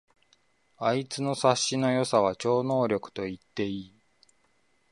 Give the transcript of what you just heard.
あいつの察しの良さは超能力と言っていい